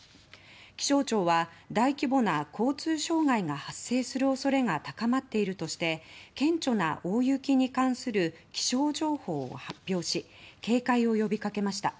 気象庁は大規模な交通障害が発生する恐れが高まっているとして顕著な大雪に関する気象情報を発表し、警戒を呼びかけました。